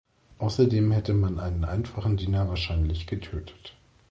Außerdem hätte man einen einfachen Diener wahrscheinlich getötet.